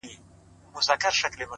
معلومـه دا شولـه چـې خپـل مـې ګڼـي